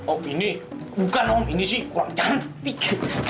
oh ini bukan om ini sih kurang cantik